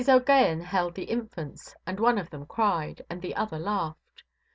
OʼGaghan held the infants, and one of them cried, and the other laughed.